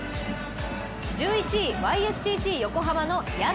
１１位・Ｙ．Ｓ．Ｃ．Ｃ．横浜の柳。